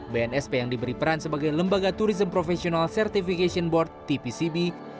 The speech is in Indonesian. bnsp yang diberi peran sebagai lembaga tourism professional certification board tpcb